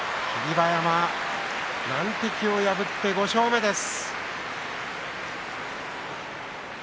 馬山難敵を破って５勝目です。